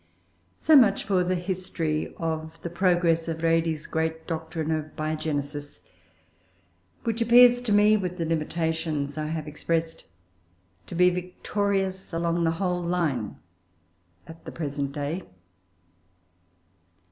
So much for the history of the progress of Redi's great doctrine of Biogenesis, which appears to me, with the limitations I have expressed, to be victorious along the whole line at the present day.